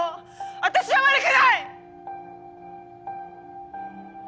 私は悪くない‼